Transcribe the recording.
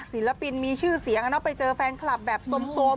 ศิลปินมีชื่อเสียงไปเจอแฟนคลับแบบสม